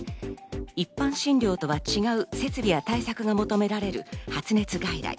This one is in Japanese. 一般診療とは違う設備や対策が求められる発熱外来。